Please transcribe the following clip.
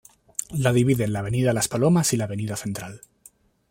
La dividen la Avenida Las Palomas y la Avenida Central.